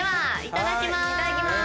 いただきまーす。